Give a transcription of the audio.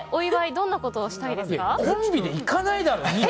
どんなことをしたいですか？